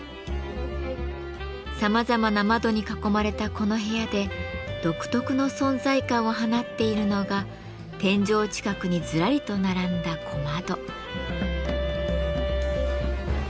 さまざまな窓に囲まれたこの部屋で独特の存在感を放っているのが天井近くにずらりと並んだ小窓。